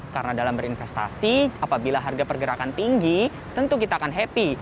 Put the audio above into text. karena dalam berinvestasi apabila harga pergerakan tinggi tentu kita akan happy